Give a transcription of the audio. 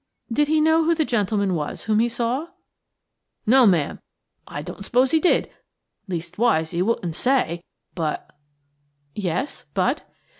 "Did he know who the gentleman was whom he saw?" "No, ma'am–I don't suppose he did–leastways he wouldn't say–but–" "Yes? But?"